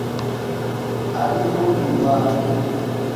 Aliru, Ivano!